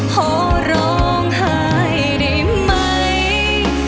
พอร้องหายได้ไหม